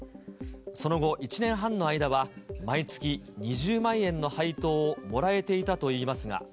その後、１年半の間は毎月２０万円の配当をもらえていたといいますが。